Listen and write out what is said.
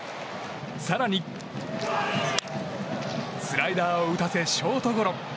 更に、スライダーを打たせショートゴロ。